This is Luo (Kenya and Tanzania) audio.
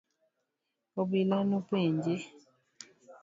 Obila nopenje.